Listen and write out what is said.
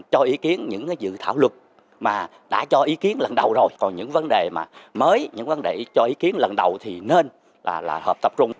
cho ý kiến những dự thảo luật mà đã cho ý kiến lần đầu rồi còn những vấn đề mới những vấn đề cho ý kiến lần đầu thì nên là hợp tập trung